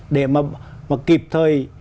để mà kịp thời